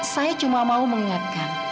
saya cuma mau mengingatkan